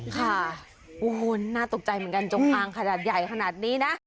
ค่ะโอ้โหน่าตกใจเหมือนกันจงอางขนาดใหญ่ขนาดนี้นะ